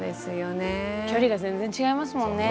距離が全然違いますもんね。